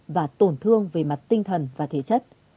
và tổn thương về mặt tinh thần và thể chất